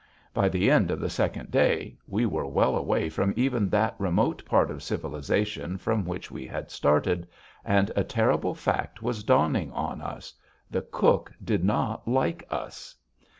By the end of the second day we were well away from even that remote part of civilization from which we had started, and a terrible fact was dawning on us. The cook did not like us!